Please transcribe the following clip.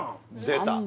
出た！